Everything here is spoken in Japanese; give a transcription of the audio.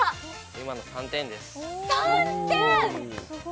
今の３点です。